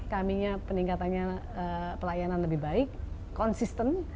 kaminya peningkatannya pelayanan lebih baik konsisten